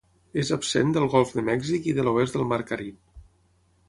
És absent del golf de Mèxic i de l'oest del mar Carib.